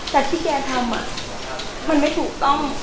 แต่ที่แกทำมันไม่ถูกต้อง